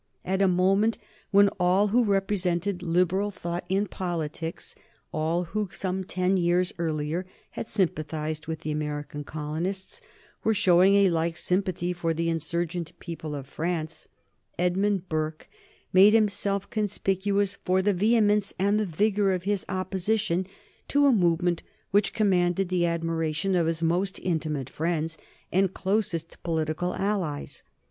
At a moment when all who represented liberal thought in politics, all who some ten years earlier had sympathized with the American colonists, were showing a like sympathy for the insurgent people of France, Edmund Burke made himself conspicuous by the vehemence and the vigor of his opposition to a movement which commanded the admiration of his most intimate friends and closest political allies.